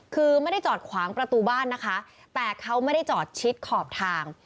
คือไม่ได้จอดขวางประตูบ้านนะคะแต่เขาไม่ได้จอดชิดขอบทาง